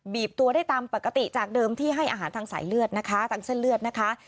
ตัวได้ตามปกติจากเดิมที่ให้อาหารทางสายเลือดนะคะทางเส้นเลือดนะคะ